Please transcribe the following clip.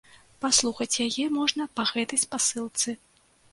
Паслухаць яе можна па гэтай спасылцы.